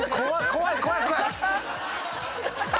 怖い怖い怖い！